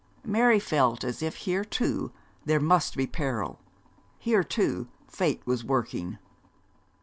Mary felt as if here, too, there must be peril; here, too, fate was working.